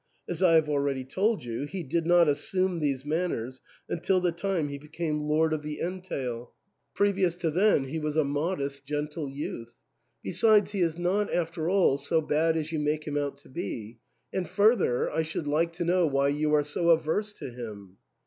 As I have already told you, he did not assume these manners until the time he became lord of 236 THE ENTAIL. the entail ; ptevious to then he* was a modest, gentle youth. Besides, he is not, after all, so bad as you make him out to be ; and further, I should like to know why you are so averse to him."